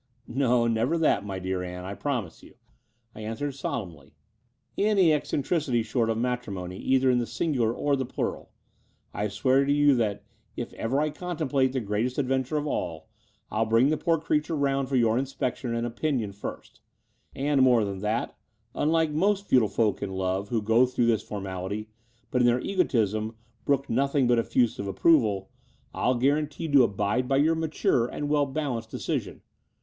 "No, never that, my dear Ann, I promise you," 132 The Door of die Vnraal I answered solemnly — "any eccentricity short of matrimony either in the singular or the plural. I swear to you that, if ever I contemplate the greatest adventure of all, I'll bring the poor crea ture round for your inspection and opinion first: and, more than that, unlike most futile folk in love who go through this formality, but in their egotism brook nothing but eSusive approval, I'll guarantee to abide by your mature and well balanced deci sion.